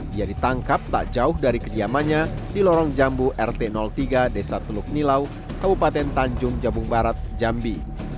dia ditangkap tak jauh dari kediamannya di lorong jambu rt tiga desa teluk nilau kabupaten tanjung jabung barat jambi